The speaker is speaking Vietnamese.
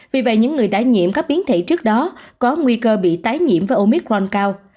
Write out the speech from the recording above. vì vậy những người đã nhiễm các biến thể trước đó có nguy cơ bị tái nhiễm vào omicron cao